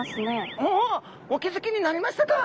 あっお気付きになりましたか！